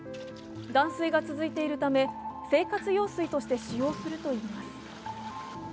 断水が続いているため生活用水として使用するといいます。